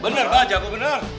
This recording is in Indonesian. bener pak jago bener